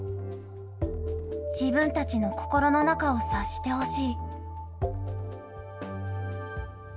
自分たちの心の中を察してほしい。